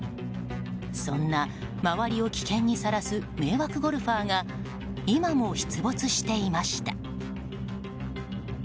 そんな周りを危険にさらす迷惑ゴルファーが今も出没していました。